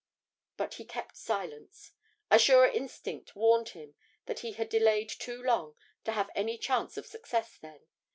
But he kept silence: a surer instinct warned him that he had delayed too long to have any chance of success then.